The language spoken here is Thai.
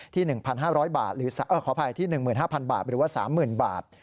ที่๑๕๐๐บาทขออภัยที่๑๕๐๐๐บาทหรือว่า๓๐๐๐๐บาท